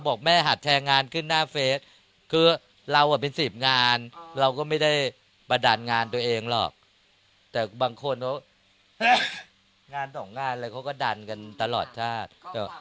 บอกแม่หัดแชร์งานขึ้นหน้าเฟสคือเราเป็น๑๐งานเราก็ไม่ได้มาดันงานตัวเองหรอกแต่บางคนเขางานสองงานเลยเขาก็ดันกันตลอดชาติ